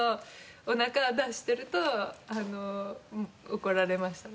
お腹出してると怒られましたね。